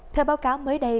theo báo cáo mới đây